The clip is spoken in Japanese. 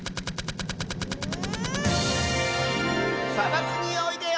「さばくにおいでよ」